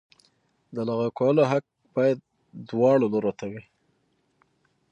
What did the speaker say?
د لغوه کولو حق باید دواړو لورو ته وي.